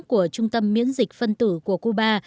của trung tâm miễn dịch phân tử của cuba